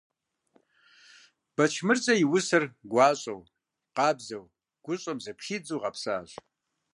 Бэчмырзэ и усэр гуащӀэу, къабзэу, гущӀэм зэпхидзу гъэпсащ.